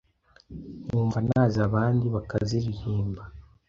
nkumva naziha abandi bakaziririmba